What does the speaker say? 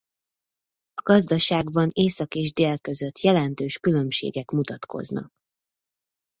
A gazdaságban észak és dél között jelentős különbségek mutatkoznak.